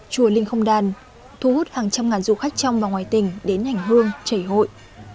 chùa linh không đàn thu hút hàng trăm ngàn du khách trong và ngoài tỉnh đến hành hương chảy hội